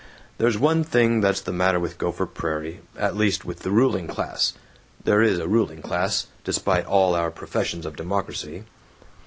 There's one thing that's the matter with Gopher Prairie, at least with the ruling class (there is a ruling class, despite all our professions of democracy).